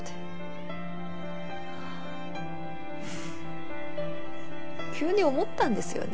フッ急に思ったんですよね。